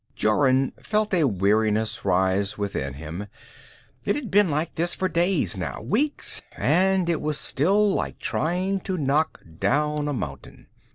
Jorun felt a weariness rise within him. It had been like this for days now, weeks, and it was like trying to knock down a mountain.